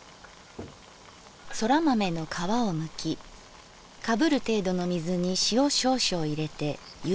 「そら豆の皮をむきかぶる程度の水に塩少々入れてゆでておく」。